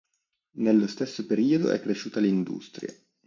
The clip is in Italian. Nello stesso periodo, è cresciuta l’industria.